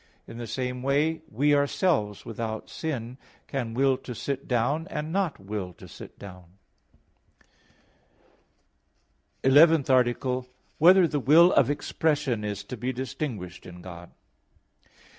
In the same way we ourselves, without sin, can will to sit down, and not will to sit down. _______________________ ELEVENTH ARTICLE [I, Q. 19, Art. 11] Whether the Will of Expression Is to Be Distinguished in God?